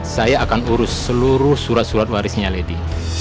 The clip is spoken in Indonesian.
saya akan urus seluruh surat surat warisnya lady